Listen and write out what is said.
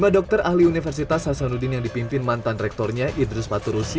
dua dokter ahli universitas hasanuddin yang dipimpin mantan rektornya idrus paturusi